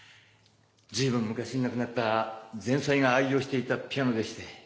随分昔に亡くなった前妻が愛用していたピアノでして。